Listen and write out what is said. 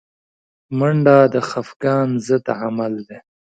منډه د خفګان ضد عمل دی